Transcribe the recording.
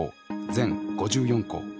全５４校。